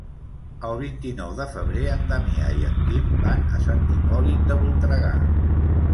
El vint-i-nou de febrer en Damià i en Quim van a Sant Hipòlit de Voltregà.